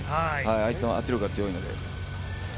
相手の圧力が強いので。